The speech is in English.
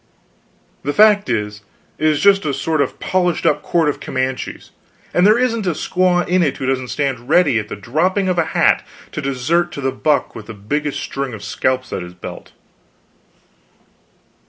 The fact is, it is just a sort of polished up court of Comanches, and there isn't a squaw in it who doesn't stand ready at the dropping of a hat to desert to the buck with the biggest string of scalps at his belt."